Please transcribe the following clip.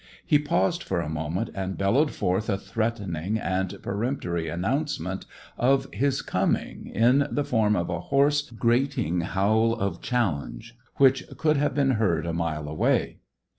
He paused for a moment, and bellowed forth a threatening and peremptory announcement of his coming in the form of a hoarse, grating howl of challenge which could have been heard a mile away.